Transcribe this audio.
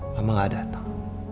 mama gak dateng